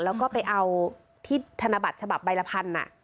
แล้วก็ไปเอาที่ธนบัตรฉบับใบละพัน